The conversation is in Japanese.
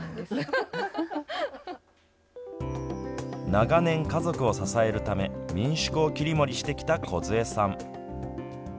長年家族を支えるため民宿を切り盛りしてきたこずえさん。